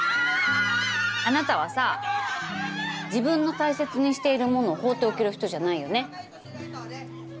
あなたはさ自分の大切にしているものを放っておける人じゃないよね？